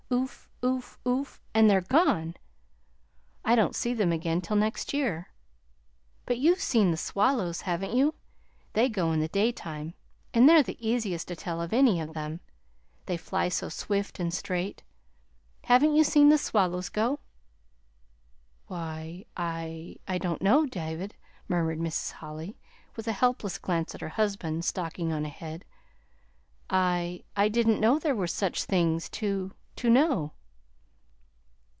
Oof OOF OOF! and they're gone! And I don't see them again till next year. But you've seen the swallows, haven't you? They go in the daytime, and they're the easiest to tell of any of them. They fly so swift and straight. Haven't you seen the swallows go?" "Why, I I don't know, David," murmured Mrs. Holly, with a helpless glance at her husband stalking on ahead. "I I didn't know there were such things to to know."